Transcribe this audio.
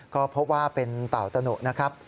ก็พบว่าเป็นเต่าตะหนุนะครับ